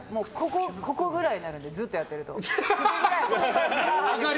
ここぐらいになるんでずっとやってると。